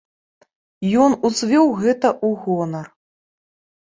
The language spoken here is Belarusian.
Ён узвёў гэта ў гонар.